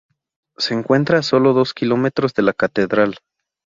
Se encuentra a solo dos kilómetros de la catedral.